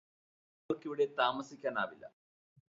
അവര്ക്കിവിടെ താമസിക്കാനാവില്ല